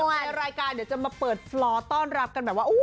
ในรายการเดี๋ยวจะมาเปิดฟลอต้อนรับกันแบบว่า